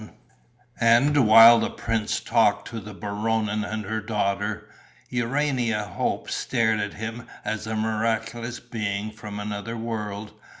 And, while the prince talked to the Baronin and her daughter, Urania Hope stared at him as a miraculous being from another world.